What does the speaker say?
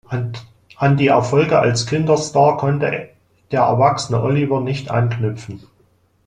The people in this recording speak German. An die Erfolge als Kinderstar konnte der erwachsene Oliver nicht anknüpfen.